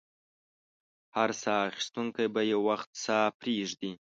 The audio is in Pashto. هر ساه اخیستونکی به یو وخت ساه پرېږدي.